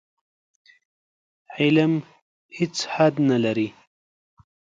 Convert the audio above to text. علم هېڅ حد نه لري.